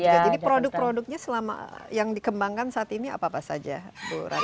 jadi produk produknya selama yang dikembangkan saat ini apa apa saja bu ratu